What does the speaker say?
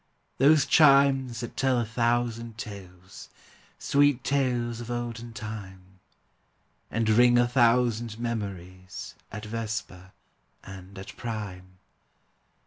Those chimes that tell a thousand tales, Sweet tales of olden time; And ring a thousand memories At vesper, and at prime!